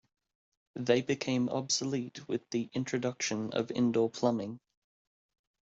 They became obsolete with the introduction of indoor plumbing.